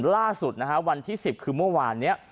ล่าสุดนะฮะวันที่๑๐คือเมื่อวานนี้